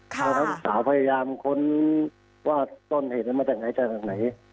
ทั้งสาวพยายามค้นว่าต้นเหตุนั้นมาจากไหนจากไหน